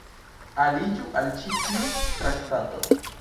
Aliĝu al ĉi tiu traktato.